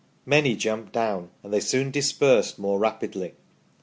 Many jumped down and they soon dispersed more rapidly.